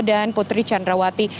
dan putri candrawati